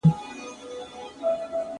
ښه به وي چي دا يې خوښـــه ســـوېده ـ